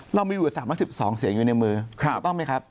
เรามี๓๒เสียงอยู่ในมือพูดจังไหมครับ